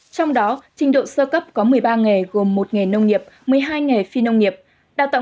trong đó trình độ sơ cấp có một mươi ba nghề gồm một nghề nông nghiệp một mươi hai nghề phi nông nghiệp